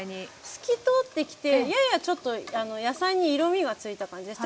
透き通ってきてややちょっと野菜に色みがついた感じです。